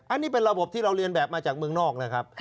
อันนี้เป็นระบบที่เราเรียนแบบมาจากเมืองนอกนะครับ